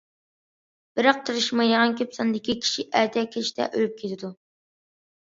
بىراق تىرىشمايدىغان كۆپ ساندىكى كىشى ئەتە كەچتە ئۆلۈپ كېتىدۇ!